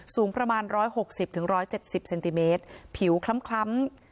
สูงประมาณร้อยหกสิบถึงร้อยเจ็ดสิบเซนติเมตรผิวคล้ำคล้ำ